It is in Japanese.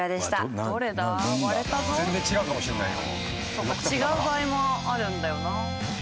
そっか違う場合もあるんだよな。